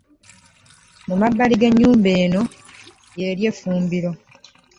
Mu mabbali g'ennyumba ennene y'eri effumbiro.